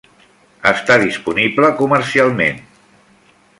Està disponible comercialment.